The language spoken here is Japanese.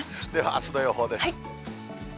では、あすの予報です。